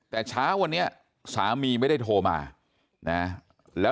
แต่เช้าวันนี้สามีไม่ได้โทรมานะแล้ว